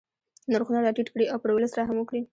نرخونه را ټیټ کړي او پر ولس رحم وکړي.